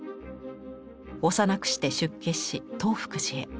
幼くして出家し東福寺へ。